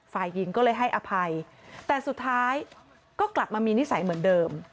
ฝ่ายหญิงก็เลยให้อภัยแต่สุดท้ายก็กลับมามีนิสัยเหมือนเดิม